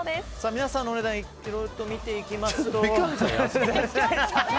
皆さんのお値段いろいろと見ていきますが。